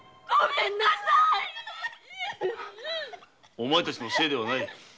お前たちのせいではない。